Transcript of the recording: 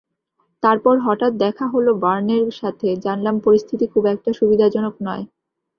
তারপর হঠাত দেখা হল ভার্নের সাথে, জানলাম পরিস্থিতি খুব একটা সুবিধাজনক নয়।